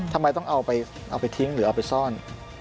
ทำไมต้องเอาไปทิ้งหรือเอาไปซ่อน